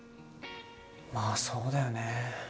まあそうだよね。